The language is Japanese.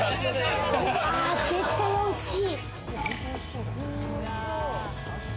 絶対おいしい！